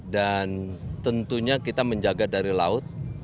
dan tentunya kita menjaga dari laut